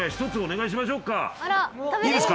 いいですか？